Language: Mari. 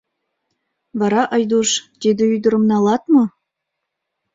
Вара, Айдуш, тиде ӱдырым налат мо?